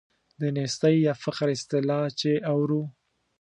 د نیستۍ یا فقر اصطلاح چې اورو.